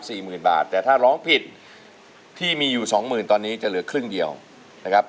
หมื่นบาทแต่ถ้าร้องผิดที่มีอยู่สองหมื่นตอนนี้จะเหลือครึ่งเดียวนะครับ